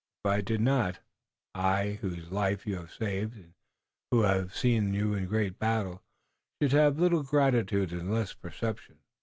If I did not, I, whose life you have saved and who have seen you great in battle, should have little gratitude and less perception."